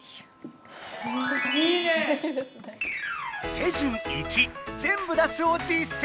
手順１「全部出す」を実践！